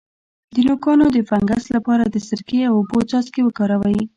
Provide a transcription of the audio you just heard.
د نوکانو د فنګس لپاره د سرکې او اوبو څاڅکي وکاروئ